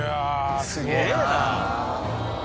すげぇな。